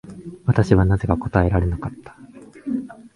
私はなぜか答えられなかった。